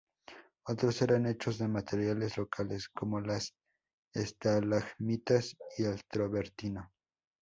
Otros eran hechos de materiales locales como las estalagmitas y el travertino.